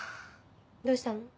どうしたの？